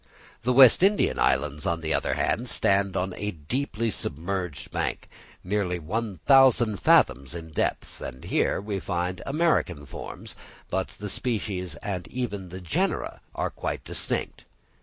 The West Indian Islands, on the other hand, stand on a deeply submerged bank, nearly one thousand fathoms in depth, and here we find American forms, but the species and even the genera are quite distinct.